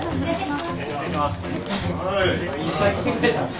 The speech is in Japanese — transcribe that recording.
いっぱい来てくれた。